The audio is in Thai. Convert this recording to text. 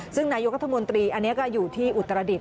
ซึ่งนายกรัฐมนตรีอันนี้ก็อยู่ที่อุตรดิษ